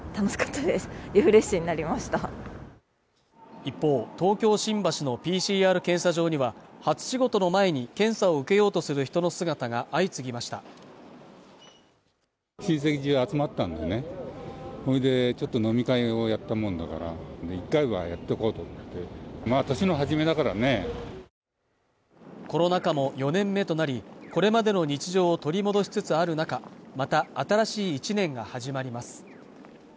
一方、東京・新橋のＰＣＲ検査場には初仕事の前に検査を受けようとする人の姿が相次ぎましたコロナ禍も４年目となりこれまでの日常を取り戻しつつある中また新しい１年が始まります